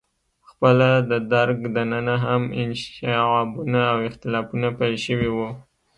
خپله د درګ دننه هم انشعابونه او اختلافونه پیل شوي وو.